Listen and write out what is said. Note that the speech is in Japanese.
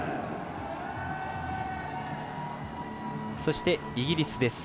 そして、イギリスです。